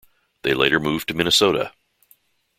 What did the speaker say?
They later moved to Minnesota.